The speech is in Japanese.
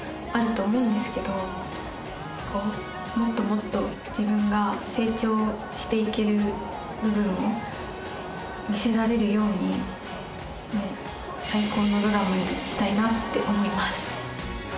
もっともっと自分が成長していける部分を見せられるようになって思います